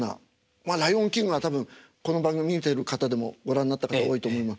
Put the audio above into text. まあ「ライオンキング」は多分この番組見てる方でもご覧になった方多いと思います。